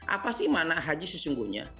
apa sih mana haji sesungguhnya